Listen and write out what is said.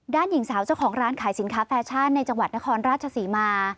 หญิงสาวเจ้าของร้านขายสินค้าแฟชั่นในจังหวัดนครราชศรีมา